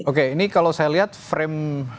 oke ini kalau saya lihat frame